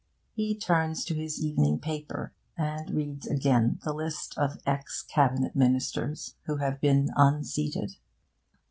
He turns to his evening paper, and reads again the list of ex Cabinet ministers who have been unseated.